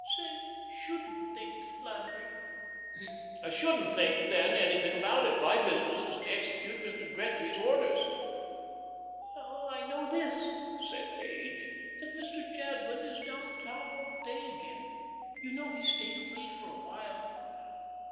"Say 'shouldn't think,' Landry." "Shouldn't think, then, anything about it. My business is to execute Mr. Gretry's orders." "Well, I know this," said Page, "that Mr. Jadwin is down town all day again. You know he stayed away for a while."